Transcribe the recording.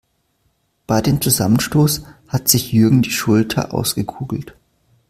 Bei dem Zusammenstoß hat sich Jürgen die Schulter ausgekugelt.